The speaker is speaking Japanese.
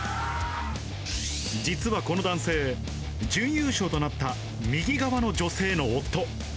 実はこの男性、準優勝となった右側の女性の夫。